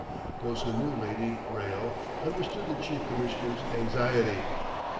Those who knew Lady Wrayle understood the Chief Commissioner's anxiety.